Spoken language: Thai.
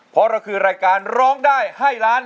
เพราะเราคือรายการร้องได้ให้ล้าน